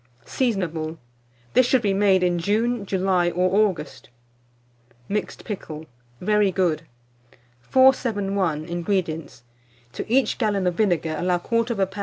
Seasonable. This should be made in June, July, or August. MIXED PICKLE. (Very Good.) 471. INGREDIENTS. To each gallon of vinegar allow 1/4 lb.